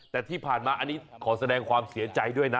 แต่ที่ผ่านมาอันนี้ขอแสดงความเสียใจด้วยนะ